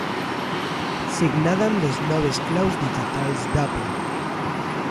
Signada amb les noves claus digitals d'Apple.